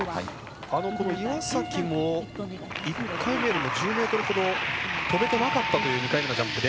岩崎も１回目よりも１０ｍ程、飛べてなかったという２回目のジャンプで。